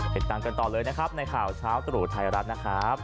เหตุการณ์เกินต่อเลยนะครับในข่าวเช้าสรุปไทยรัฐนะครับ